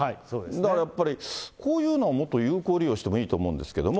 だからやっぱり、こういうのをもっと有効利用してもいいと思うんですけど。